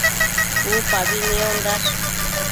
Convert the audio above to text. Upabi niondash